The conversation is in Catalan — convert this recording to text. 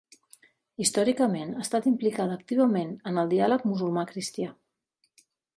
Històricament ha estat implicada activament en el diàleg musulmà cristià.